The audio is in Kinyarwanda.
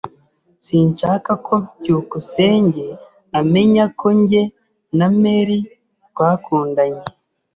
Sinshaka ko byukusenge amenya ko njye na Mary twakundanye.